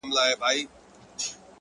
• تر کوډ ګرو, مداریانو, تعویذونو,